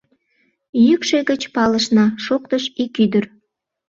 Йӱкшӧ гыч палышна! — шоктыш ик ӱдыр.